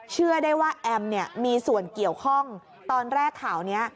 เชื่อได้ว่าแอมเนี่ยมีส่วนเกี่ยวข้องตอนแรกข่าวนี้